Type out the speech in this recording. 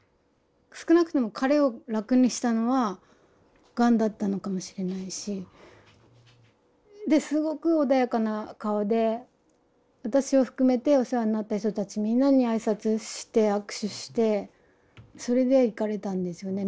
少なくても彼を楽にしたのはがんだったのかもしれないし。ですごく穏やかな顔で私を含めてお世話になった人たちみんなに挨拶して握手してそれで逝かれたんですよね。